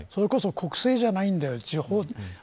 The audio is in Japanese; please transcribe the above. それこそ、国政じゃないんだよ